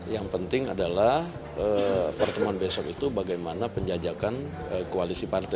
yang penting adalah pertemuan besok itu bagaimana penjajakan koalisi partai